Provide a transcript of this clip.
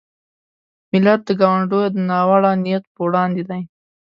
ملت د ګاونډیو د ناوړه نیت په وړاندې دی.